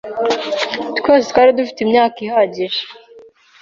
Twese twari dufite imyanya ihagije.